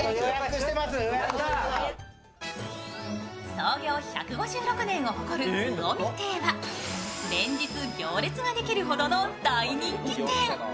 創業１５６年を誇る魚見亭は連日行列ができるほどの大人気店。